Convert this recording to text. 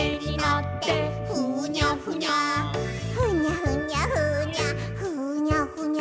「ふにゃふにゃふにゃふにゃふにゃ」「ふにゃふにゃ」